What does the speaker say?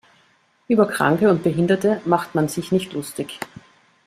Über Kranke und Behinderte macht man sich nicht lustig.